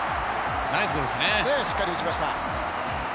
しっかり打ちました。